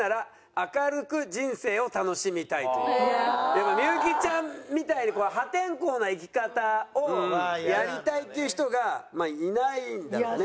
でも幸ちゃんみたいに破天荒な生き方をやりたいっていう人がまあいないんだろうね。